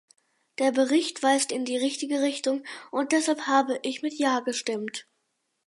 Der Bericht weist in die richtige Richtung, und deshalb habe ich mit ja gestimmt.